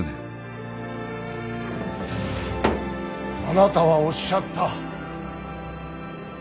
あなたはおっしゃった。